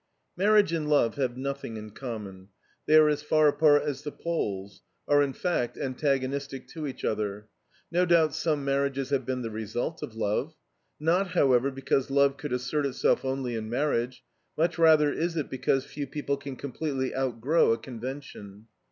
Marriage and love have nothing in common; they are as far apart as the poles; are, in fact, antagonistic to each other. No doubt some marriages have been the result of love. Not, however, because love could assert itself only in marriage; much rather is it because few people can completely outgrow a convention.